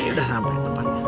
udah sampai tempatnya